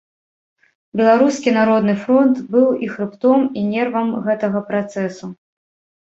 Беларускі народны фронт быў і хрыбтом, і нервам гэтага працэсу.